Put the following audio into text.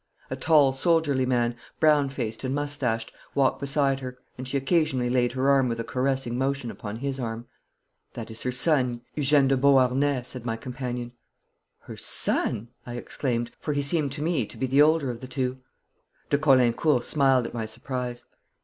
A tall, soldierly man, brown faced and moustached, walked beside her, and she occasionally laid her hand with a caressing motion upon his arm. 'That is her son, Eugene de Beauharnais,' said my companion. 'Her son!' I exclaimed, for he seemed to me to be the older of the two. De Caulaincourt smiled at my surprise.